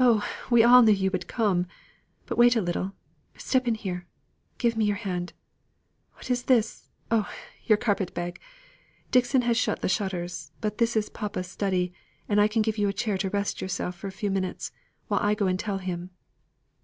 "Oh! we all knew you would come. But wait a little! Step in here. Give me your hand. What is this? Oh! your carpet bag. Dixon has shut the shutters; but this is papa's study, and I can take you to a chair to rest yourself for a few minutes; while I go and tell him."